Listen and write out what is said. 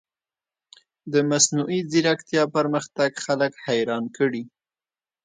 د مصنوعي ځیرکتیا پرمختګ خلک حیران کړي.